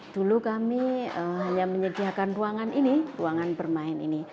dulu kami hanya menyediakan ruangan ini ruangan bermain ini